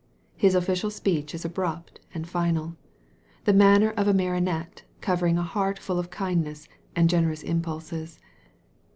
His official speech is abrupt and final, the manner of a martinet covering a. heart full of kindness and generous impulses.